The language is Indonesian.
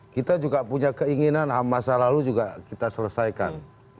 kita juga punya keinginan masa lalu juga kita selesaikan